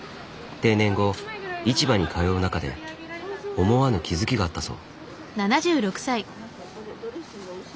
定年後市場に通う中で思わぬ気付きがあったそう。